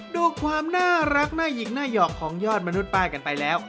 ดูความน่ารักน่าหญิงหน้าหยอกของยอดมนุษย์ป้ากันไปแล้ว